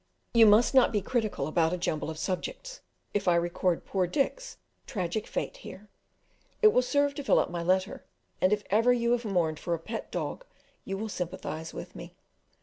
You must not be critical about a jumble of subjects if I record poor Dick's tragical fate here; it will serve to fill up my letter, and if ever you have mourned for a pet dog you will sympathise with me.